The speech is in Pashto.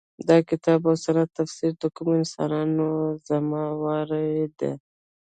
د کتاب او سنت تفسیر د کومو کسانو ذمه واري ده.